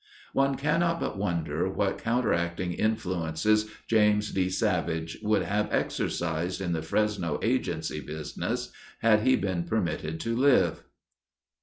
One cannot but wonder what counteracting influences James D. Savage would have exercised in the Fresno Agency business had he been permitted to live.